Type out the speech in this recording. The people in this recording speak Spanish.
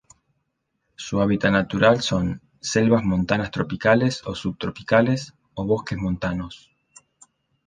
Su hábitat natural son: selvas montanas tropicales o subtropicales, o bosques montanos.